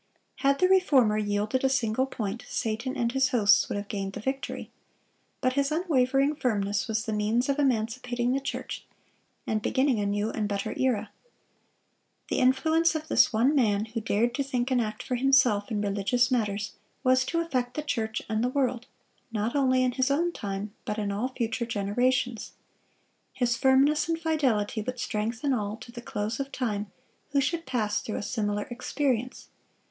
Had the Reformer yielded a single point, Satan and his hosts would have gained the victory. But his unwavering firmness was the means of emancipating the church, and beginning a new and better era. The influence of this one man, who dared to think and act for himself in religious matters, was to affect the church and the world, not only in his own time, but in all future generations. His firmness and fidelity would strengthen all, to the close of time, who should pass through a similar experience.